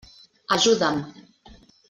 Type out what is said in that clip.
Ajuda'm.